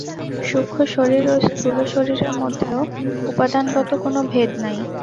সূক্ষ্ম শরীর ও স্থূল শরীরের মধ্যেও উপাদানগত কোন ভেদ নাই।